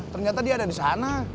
ternyata dia ada di sana